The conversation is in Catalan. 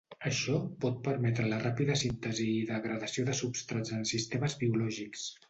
Això pot permetre la ràpida síntesi i degradació de substrats en sistemes biològics.